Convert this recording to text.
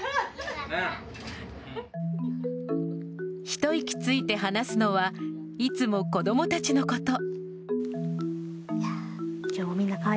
ひと息ついて話すのはいつも子供たちのこと。